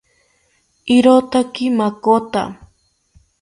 Irotaki makota